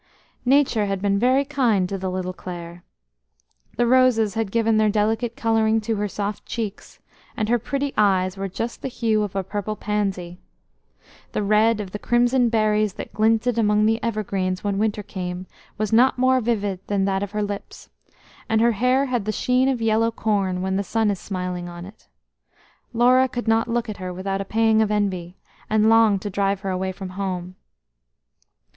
Nature had been very kind to the little Clare. The roses had given their delicate colouring to her soft cheeks, and her pretty eyes were just the hue of a purple pansy. The red of the crimson berries that glinted among the evergreens when winter came, was not more vivid than that of her lips, and her hair had the sheen of yellow corn when the sun is smiling on it. Laura could not look at her without a pang of envy, and longed to drive her away from home.